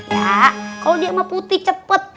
ya kalau dia sama putih cepet